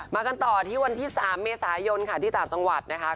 กันต่อที่วันที่๓เมษายนค่ะที่ต่างจังหวัดนะคะ